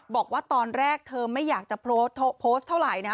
บอกว่าตอนแรกเธอไม่อยากจะโพสต์เท่าไหร่นะ